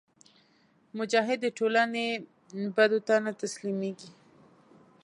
مجاهد د ټولنې بدو ته نه تسلیمیږي.